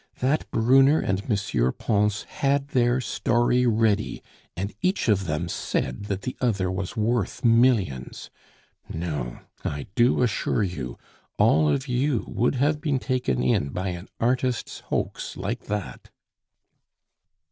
That Brunner and M. Pons had their story ready, and each of them said that the other was worth millions!... No, I do assure you, all of you would have been taken in by an artist's hoax like that."